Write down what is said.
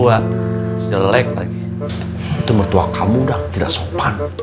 anak anak itu juga kami baju dan berikan